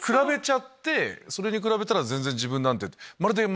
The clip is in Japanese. それに比べたら全然自分なんて。